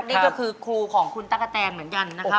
นี่ก็คือครูของคุณตั๊กกะแตนเหมือนกันนะครับ